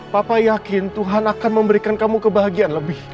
papa yakin tuhan akan memberikan kamu kebahagiaan lebih